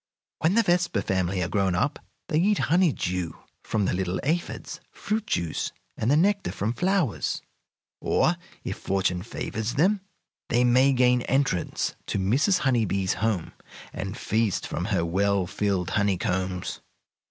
When the Vespa family are grown up they eat honey dew from the little aphids, fruit juice, and the nectar from flowers, or, if fortune favors them, they may gain entrance to Mrs. Honey Bee's home, and feast from her well filled honeycombs.